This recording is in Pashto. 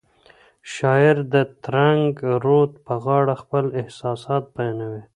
شاعر د ترنګ رود په غاړه خپل احساسات بیانوي.